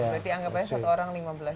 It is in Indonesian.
berarti anggapnya satu orang lima belas